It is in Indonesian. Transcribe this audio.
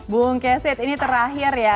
bu nkesit ini terakhir ya